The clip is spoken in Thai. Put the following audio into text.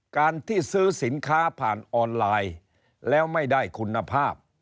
การที่ซื้อสินค้าผ่านออนไลน์แล้วไม่ได้คุณภาพ